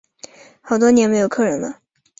好多年没有客人了